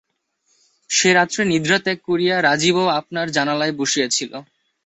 সে রাত্রে নিদ্রা ত্যাগ করিয়া রাজীবও আপনার জানালায় বসিয়া ছিল।